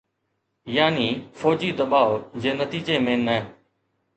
يعني فوجي دٻاءُ جي نتيجي ۾ نه.